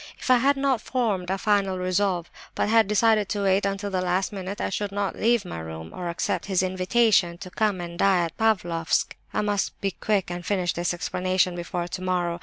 If I had not formed a final resolve, but had decided to wait until the last minute, I should not leave my room, or accept his invitation to come and die at Pavlofsk. I must be quick and finish this explanation before tomorrow.